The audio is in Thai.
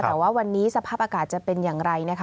แต่ว่าวันนี้สภาพอากาศจะเป็นอย่างไรนะคะ